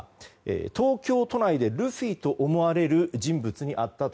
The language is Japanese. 東京都内でルフィと思われる人物に会ったと。